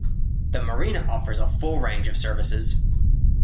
The marina offers a full range of services.